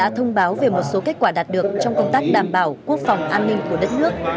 đã thông báo về một số kết quả đạt được trong công tác đảm bảo quốc phòng an ninh của đất nước